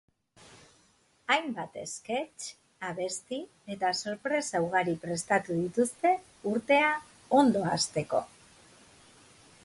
Hainbat esketx, abesti eta sorpresa ugari prestatu dituzte urtea ondo hasteko.